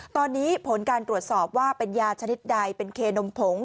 ตอนนี้ผลการตรวจสอบว่าเป็นยาชนิดใดเป็นเคนมผง